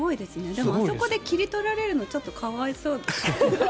でも、あそこで切り取られるのはちょっと可哀想。